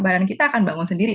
badan kita akan bangun sendiri